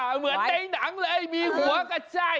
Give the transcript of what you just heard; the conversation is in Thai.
เหมือนในหนังเลยมีหัวกระใช่